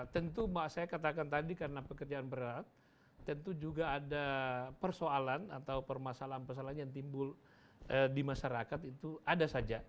tentu saya katakan tadi karena pekerjaan berat tentu juga ada persoalan atau permasalahan permasalahan yang timbul di masyarakat itu ada saja